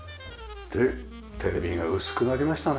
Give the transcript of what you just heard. でテレビが薄くなりましたね。